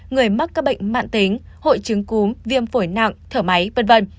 người mắc các bệnh mạng tính hội chứng cúm viêm phổi nặng thở máy v v